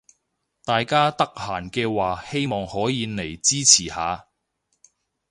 大家得閒嘅話希望可以嚟支持下